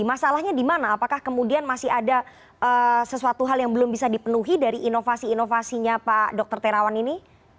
masalahnya di mana apakah kemudian masih ada sesuatu hal yang belum bisa dipenuhi dari inovasi inovasinya pak dr terawan ini